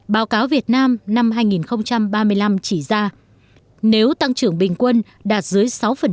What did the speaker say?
báo cáo việt nam năm hai nghìn ba mươi năm chỉ ra nếu tăng trưởng bình quân đạt dưới sáu